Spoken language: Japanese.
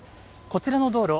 こちらの道路